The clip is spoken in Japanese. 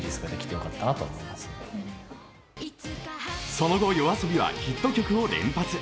その後、ＹＯＡＳＯＢＩはヒット曲を連発。